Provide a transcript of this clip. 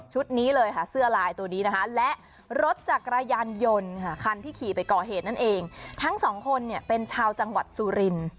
นี้เลยค่ะเสื้อลายตัวนี้นะคะและรถจักรยานยนต์ค่ะคันที่ขี่ไปก่อเหตุนั่นเองทั้งสองคนเนี่ยเป็นชาวจังหวัดสุริน